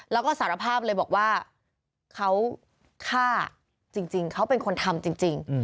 แล้วก็สารภาพเลยบอกว่าเขาฆ่าจริงเขาเป็นคนทำจริง